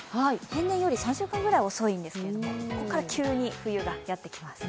平年より３週間ぐらい遅いんですけどここから急に冬がやってきます。